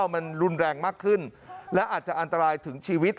มันรุนแรงมากขึ้นและอาจจะอันตรายถึงชีวิต